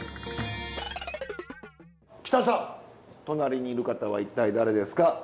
隣にいる方は一体誰ですか？